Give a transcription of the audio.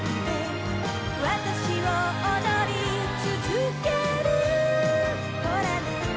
「わたしを踊りつづける」「ほらね」